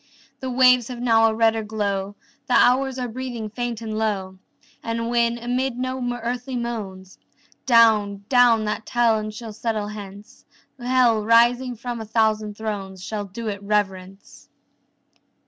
The waves have now a redder glow; The hours are breathing faint and low. And when, amid no earthly moans, Down, down that town shall settle hence, Hell, rising from a thousand thrones, Shall do it reverence.